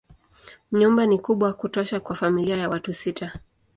Nyumba ni kubwa kutosha kwa familia ya watu sita.